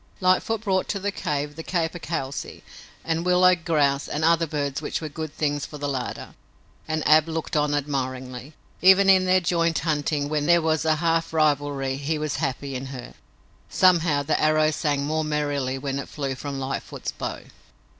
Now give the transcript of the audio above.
Lightfoot brought to the cave the capercailzie and willow grouse and other birds which were good things for the larder, and Ab looked on admiringly. Even in their joint hunting, when there was a half rivalry, he was happy in her. Somehow, the arrow sang more merrily when it flew from Lightfoot's bow.